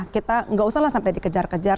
kita tidak usah sampai dikejar kejar